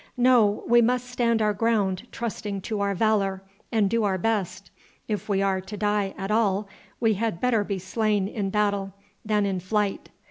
No. We must stand our ground, trusting to our valor, and do our best. If we are to die at all, we had better be slain in battle than in flight.